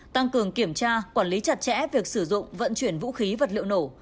tăng cường kiểm tra quản lý chặt chẽ việc sử dụng vận chuyển vũ khí vật liệu nổ